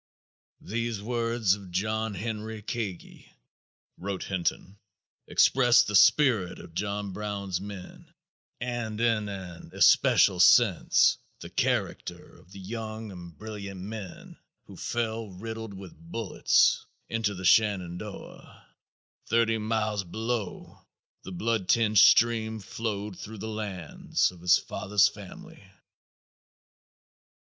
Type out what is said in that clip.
"These words of John Henry Kagi," wrote Hinton, "expressed the spirit of John Brown's men and, in an especial sense, the character of the young and brilliant man who fell riddled with bullets into the Shenandoah. Thirty miles below, the blood tinged stream flowed through the lands of his father's family."